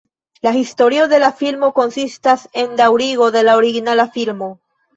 La historio de la filmo konsistas en daŭrigo de la originala filmo.